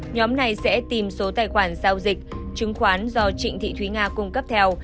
nhóm này sẽ tìm số tài khoản giao dịch chứng khoán do trịnh thị thúy nga cung cấp theo